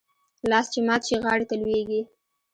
لاس چې مات شي ، غاړي ته لوېږي .